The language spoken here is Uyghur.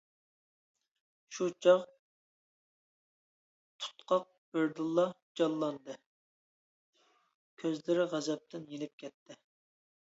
شۇ چاغ تۇتقاق بىردىنلا جانلاندى، كۆزلىرى غەزەپتىن يېنىپ كەتتى.